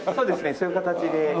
そういう形で。